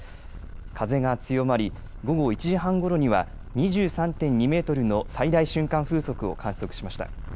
風が強まり、午後１時半ごろには２３．２メートルの最大瞬間風速を観測しました。